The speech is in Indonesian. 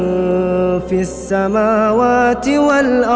ketika sebuah beberapa teori mengacaukan bahwa